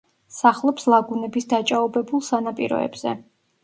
სახლობს ლაგუნების დაჭაობებულ სანაპიროებზე.